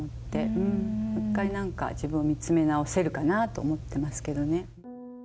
もう１回、自分を見つめ直せるかなと思ってますけどね。